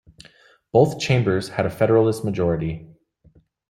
Both chambers had a Federalist majority.